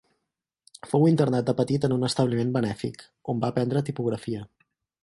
Fou internat de petit en un establiment benèfic, on va aprendre tipografia.